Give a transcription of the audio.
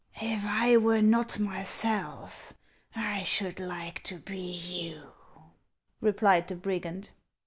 " If I were not myself I should like to be you," replied the brigand.